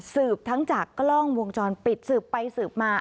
ทั้งจากกล้องวงจรปิดสืบไปสืบมา